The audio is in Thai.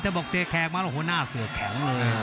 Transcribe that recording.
ว่าเสคแครกมาลุ้นน่าเสือกแข็ง